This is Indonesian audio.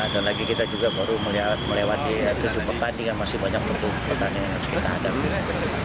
dan lagi kita juga baru melewati tujuh pekan dengan masih banyak pertumbuhan pekan yang harus kita hadapi